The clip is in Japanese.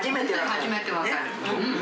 初めて分かる。